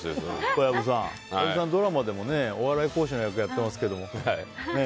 小籔さんはドラマでもお笑い講師の役やっていますけど。